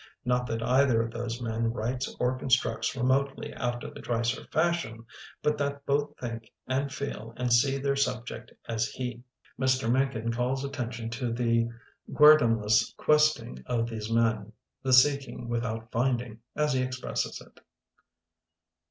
Not that either of these men writes or constructs remotely after the Dreiser fashion, but that both think and feel and see their sub ject as he. Mr. Mencken calls atten tion to the guerdonless questing of these men, the seeking without find ing, as he expresses it.